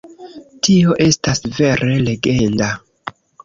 Tio estas vere legenda!